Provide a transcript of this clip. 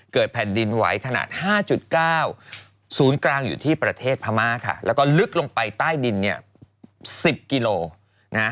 แผ่นดินไหวขนาด๕๙ศูนย์กลางอยู่ที่ประเทศพม่าค่ะแล้วก็ลึกลงไปใต้ดินเนี่ย๑๐กิโลนะ